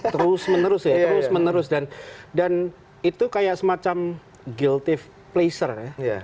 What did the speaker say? terus menerus ya terus menerus dan itu kayak semacam gilltif pleasure ya